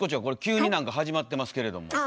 これ急に何か始まってますけれども。